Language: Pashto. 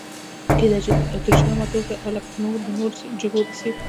کېدای شي اتریشیان ماته وخوري لکه د نورو جګړو په څېر.